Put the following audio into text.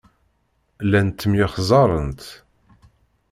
Llant ttemyexzarent.